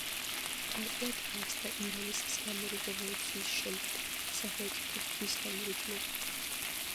პარტია დაარსდა ირანის ისლამური რევოლუციის შემდეგ, სახელწოდებით „ისლამური ძმობა“.